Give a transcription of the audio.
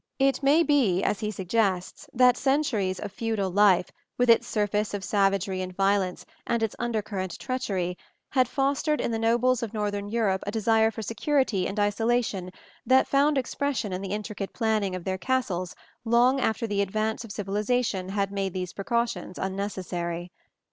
It may be, as he suggests, that centuries of feudal life, with its surface of savagery and violence and its undercurrent treachery, had fostered in the nobles of northern Europe a desire for security and isolation that found expression in the intricate planning of their castles long after the advance of civilization had made these precautions unnecessary.